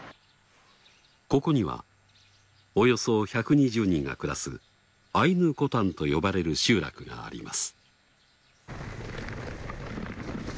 ここにはおよそ１２０人が暮らすアイヌコタンと呼ばれる集落があります。